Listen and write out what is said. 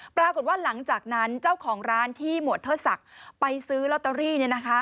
ปรากฏว่าหลังจากนั้นเจ้าของร้านที่หมวดเทิดศักดิ์ไปซื้อลอตเตอรี่